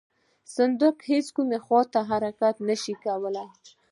صندوق هیڅ کومې خواته حرکت نه شي کولی.